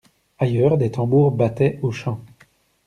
Ailleurs, des tambours battaient aux champs.